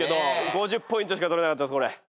５０ポイントしか取れなかった。